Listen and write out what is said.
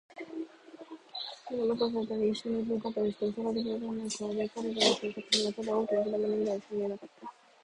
腕と脚とを組み合わせたり、いっしょにうずくまったりした。薄暗がりのなかで、彼らのいる片隅はただ大きな糸玉ぐらいにしか見えなかった。